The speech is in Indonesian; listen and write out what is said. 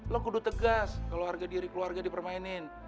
lo kudu tegas kalau harga diri keluarga dipermainin